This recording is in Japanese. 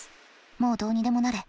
もうどうにでもなれ。